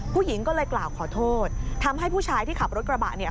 ผู้หญิงก็เลยกล่าวขอโทษทำให้ผู้ชายที่ขับรถกระบะเนี่ย